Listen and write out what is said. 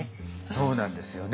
そうなんですよね。